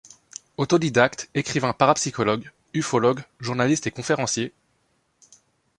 Autodidacte, écrivain-parapsychologue, ufologue, journaliste et conférencier.